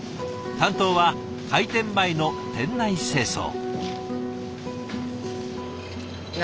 担当は開店前の店内清掃。